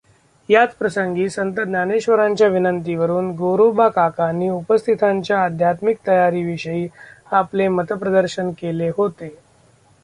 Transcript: याच प्रसंगी संत ज्ञानेश्वरांच्या विनंतीवरून गोरोबाकाकांनी उपस्थितांच्या आध्यात्मिक तयारीविषयी आपले मतप्रदर्शन केले होते.